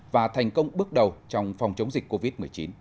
và thành công bước đầu trong phòng chống dịch covid một mươi chín